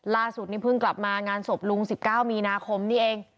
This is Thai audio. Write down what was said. ล่าสุดนี่เพิ่งกลับมางานศพลุง๑๙มีนาคมนี่เอง